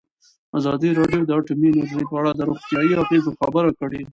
ازادي راډیو د اټومي انرژي په اړه د روغتیایي اغېزو خبره کړې.